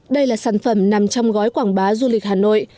đây là sản phẩm nằm trong gói quảng bá du lịch hà nội